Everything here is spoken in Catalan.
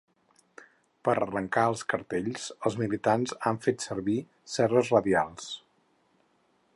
Per arrencar els cartells, els militants han fet servir serres radials.